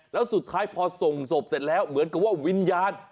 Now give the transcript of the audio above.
แล้วสุดท้ายพอส่งศพเสร็จแล้วเหมือนกับว่าวิญญาณ